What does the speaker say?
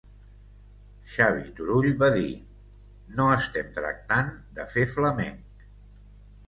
Xavi Turull va dir: ... no estem tractant de fer flamenc.